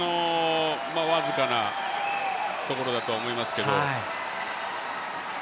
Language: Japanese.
僅かなところだとは思いますけど。